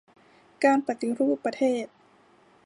การปฏิรูปประเทศ